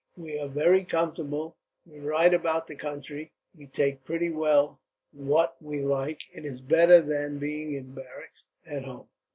We are very comfortable. We ride about the country, we take pretty well what we like. It is better than being in barracks, at home.